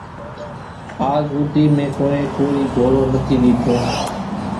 آز ۿوُڌِي مين ڪونئين ڪورِي گھوڙو نٿِي ڏيٺو۔